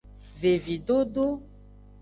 Vevidodo.